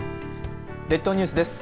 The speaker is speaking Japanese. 列島ニュースです。